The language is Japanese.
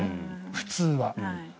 普通は。